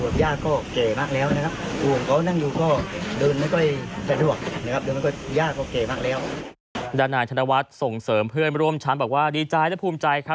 ด้านนายธนวัฒน์ส่งเสริมเพื่อนร่วมชั้นบอกว่าดีใจและภูมิใจครับ